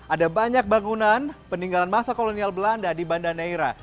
ada banyak bangunan peninggalan masa kolonial belanda di banda neira